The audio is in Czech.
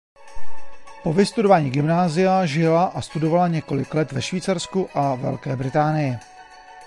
Po vystudování gymnázia žila a studovala několik let ve Švýcarsku a Velké Británii.